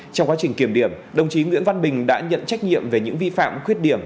trong quá trình kiểm điểm đồng chí nguyễn văn bình đã nhận trách nhiệm về những vi phạm khuyết điểm